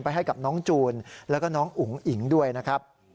ให้กับน้องจูนแล้วก็น้องอุ๋งอิ๋งด้วยนะครับ